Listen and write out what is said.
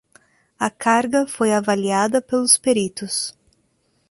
A carga foi avaliada pelos peritos